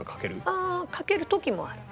ああかける時もある。